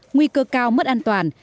nó mất an toàn